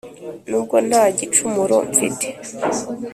nubwo nta gicumuro mfite’